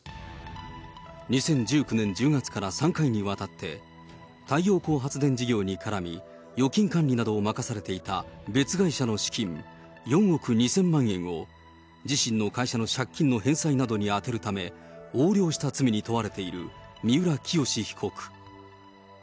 ２０１９年１０月から３回にわたって、太陽光発電事業に絡み、預金管理などを任されていた別会社の資金、４億２０００万円を、自身の会社の借金の返済などに充てるため、横領した罪に問われている三浦清志被告。